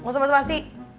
nggak usah basa basi